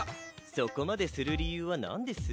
そこまでする理由はなんです？